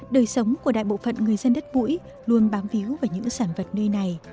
đời sống của đại bộ phận người dân đất mũi luôn bám víu vào những sản vật nơi này